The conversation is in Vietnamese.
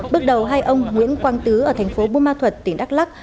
bước đầu hai ông nguyễn quang tứ ở thành phố bùa ma thuật tỉnh đắk lắc